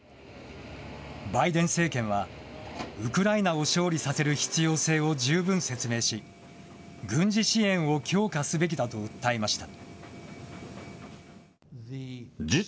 バイデン政権は、ウクライナを勝利させる必要性を十分説明し、軍事支援を強化すべきだと訴えました。